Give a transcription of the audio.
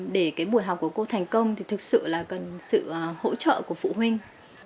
để cái buổi học của cô thành công thì thực sự là cần sự hỗ trợ của phụ huynh